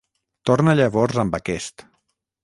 Torna llavors amb aquest.